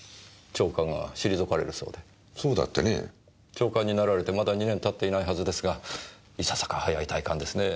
長官になられてまだ２年経っていないはずですがいささか早い退官ですねぇ。